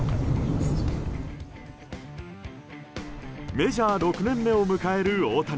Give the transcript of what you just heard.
メジャー６年目を迎える大谷。